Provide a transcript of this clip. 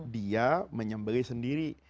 dia menyembelih sendiri